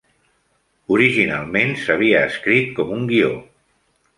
Originalment s'havia escrit com un guió.